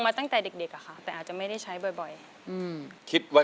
ถ้าท่านทัพกิ่งพร้อมที่จะสู้แล้วอินโทรมาเลยครับ